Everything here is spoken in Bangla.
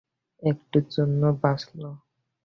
একটুর জন্য বাঁচলো।